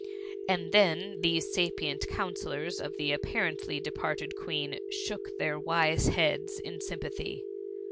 And then these sapient counsellors of the apparently departed Queen shook their wise heads in sympathy.